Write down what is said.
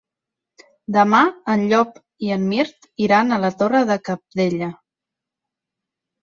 Demà en Llop i en Mirt iran a la Torre de Cabdella.